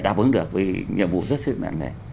đáp ứng được vì nhiệm vụ rất thiết bắt buộc